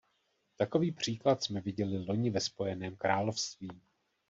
Takový příklad jsme viděli loni ve Spojeném království.